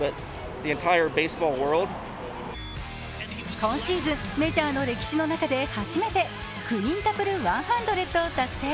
今シーズン、メジャーの歴史の中で初めてクインティプルワンハンドレッドを達成。